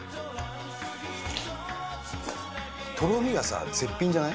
とろみが絶品じゃない？